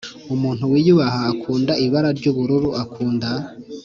umuntu wiyubaha, akunda ibara ryubururu, akunda